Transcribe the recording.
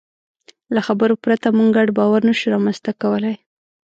له خبرو پرته موږ ګډ باور نهشو رامنځ ته کولی.